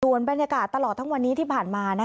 ส่วนบรรยากาศตลอดทั้งวันนี้ที่ผ่านมา